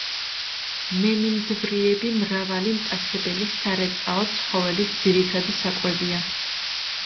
მემინდვრიები მრავალი მტაცებელი სარეწაო ცხოველის ძირითადი საკვებია.